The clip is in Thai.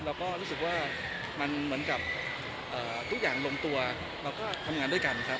เราก็รู้สึกว่ามันเหมือนกับทุกอย่างลงตัวเราก็ทำงานด้วยกันครับ